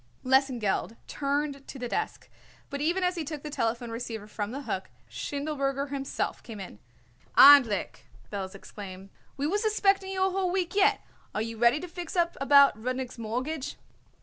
Lesengeld turned to the desk, but even as he took the telephone receiver from the hook Schindelberger himself came in. "Endlich!" Belz exclaimed. "We was expecting you a whole week yet. Are you ready to fix up about Rudnik's mortgage?"